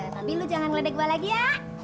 tapi lu jangan ngeledek gua lagi ya